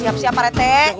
siap siap pak rete